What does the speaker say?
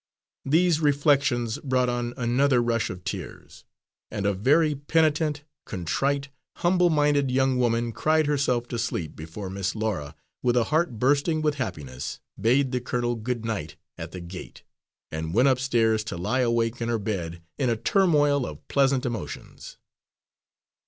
These reflections brought on another rush of tears, and a very penitent, contrite, humble minded young woman cried herself to sleep before Miss Laura, with a heart bursting with happiness, bade the colonel good night at the gate, and went upstairs to lie awake in her bed in a turmoil of pleasant emotions.